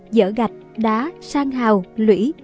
giở gạch đá sang hào lũy